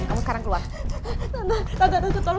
kamu sekarang keluar